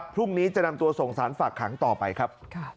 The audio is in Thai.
พรุ่งนี้จะนำตัวส่งสารฝากขังต่อไปครับ